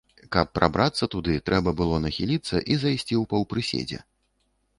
Каб прабрацца туды, трэба было нахіліцца і зайсці ў паўпрыседзе.